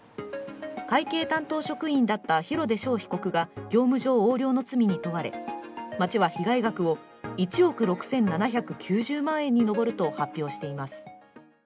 会計担当職員だった廣出翔被告が業務上横領の罪に問われ町は被害額を１億６７９０万円に上ると発表しています。